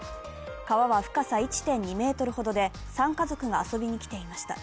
川は深さ１．２ｍほどで３家族が遊びに来ていました。